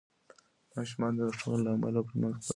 ماشومان د لارښوونو له امله پرمختګ کوي.